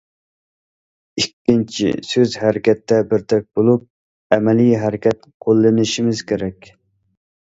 ئىككىنچى، سۆز- ھەرىكەتتە بىردەك بولۇپ، ئەمەلىي ھەرىكەت قوللىنىشىمىز كېرەك.